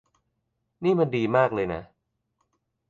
นี่มันดีมากเลยนะ